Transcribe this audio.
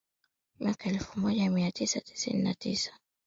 mwaka elfu moja mia tisa tisini na tisa